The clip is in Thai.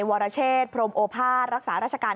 วรเชษพรมโอภาษรักษาราชการ